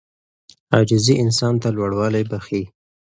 عاجزي انسان ته لوړوالی بښي.